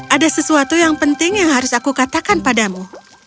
ada sesuatu yang penting yang harus aku katakan padamu